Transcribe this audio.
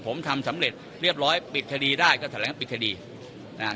ผมทำสำเร็จเรียบร้อยปิดคดีได้ก็แถลงปิดคดีนะฮะ